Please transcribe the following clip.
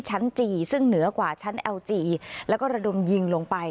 จีซึ่งเหนือกว่าชั้นแอลจีแล้วก็ระดมยิงลงไป